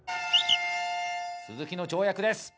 鈴木の跳躍です。